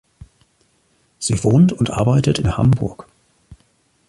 Sie wohnt und arbeitet in Hamburg.